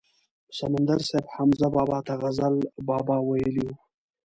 سمندر صاحب حمزه بابا ته غزل بابا ویلی و.